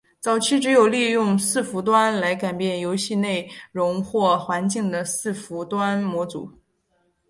早期只有利用伺服端来改变游戏内容或环境的伺服端模组。